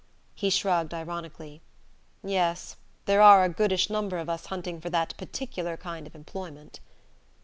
He shrugged ironically. "Yes there are a goodish number of us hunting for that particular kind of employment."